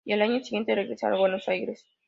Y al año siguiente regresa a Buenos Aires.